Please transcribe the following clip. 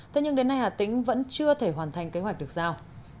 thế nhưng đến nay hà tĩnh vẫn chưa thể hoàn thành kế hoạch được giao